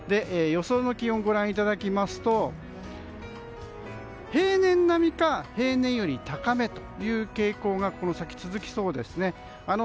予想の気温をご覧いただきますと平年並みか平年より高めという傾向がこの先続きそうですね。